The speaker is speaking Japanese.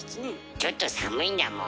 ちょっと寒いんだもん。